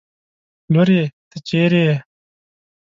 لورې! ته چېرې يې؟